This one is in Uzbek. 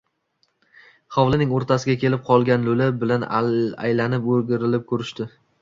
Hovlining o‘rtasiga kelib qolgan lo‘li bilan aylanib-o‘rgilib ko‘rishdi.